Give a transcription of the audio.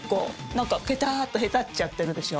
何かペタっとへたっちゃってるでしょ？